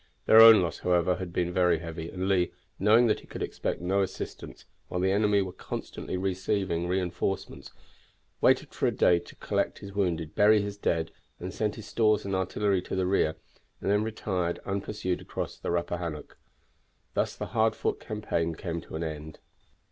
Their own loss, however, had been very heavy, and Lee, knowing that he could expect no assistance, while the enemy were constantly receiving reinforcements, waited for a day to collect his wounded, bury his dead, and send his stores and artillery to the rear, and then retired unpursued across the Rappahannock. Thus the hard fought campaign came to an end.